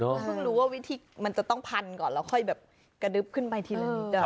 ก็เพิ่งรู้ว่าวิธีมันจะต้องพันก่อนแล้วค่อยแบบกระดึบขึ้นไปทีละนิด